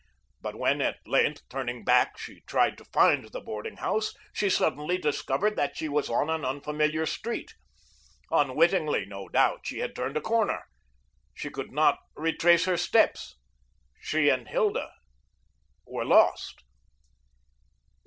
But when, at length, turning back, she tried to find the boarding house, she suddenly discovered that she was on an unfamiliar street. Unwittingly, no doubt, she had turned a corner. She could not retrace her steps. She and Hilda were lost.